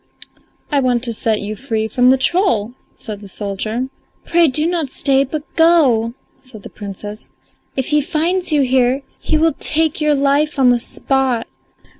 "I want to set you free from the troll," said the soldier. "Pray do not stay, but go," said the Princess. "If he finds you here he will take your life on the spot."